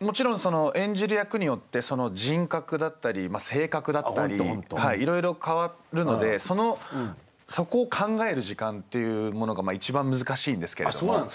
もちろんその演じる役によって人格だったり性格だったりいろいろ変わるのでそこを考える時間っていうものが一番難しいんですけれども。